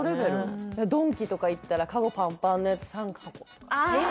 ドンキとか行ったらカゴパンパンのやつ３箱とかあ！